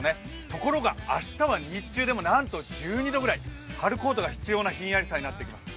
ところが明日は日中でもなんと１２度ぐらい、春コートが必要なひんやりさになってきます。